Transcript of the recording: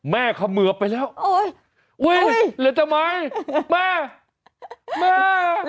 แม่ขมือบไปแล้วโอ้ยโอ้ยเหลือแต่ไม้แม่แม่